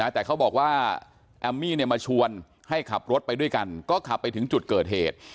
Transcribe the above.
แต่เขาบอกว่าแอมมี่มาชวนให้ขับรถไปด้วยกันก็ขับไปถึงจุดเกิดเหตุ